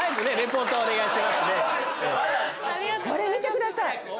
これ見てください。